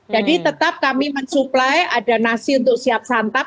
jadi tetap kami mensuplai ada nasi untuk siap santap